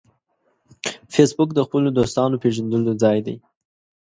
فېسبوک د خپلو دوستانو پېژندلو ځای دی